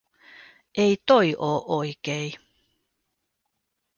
“Ei toi oo oikei.